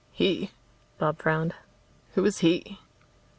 "He?" Bob frowned. "Who is he?"